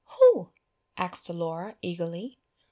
"Who?" asked Laura, eagerly.